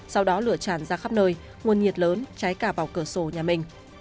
sau đó lửa tràn ra khắp nơi nguồn nhiệt lớn cháy cả vào cửa sổ nhà mình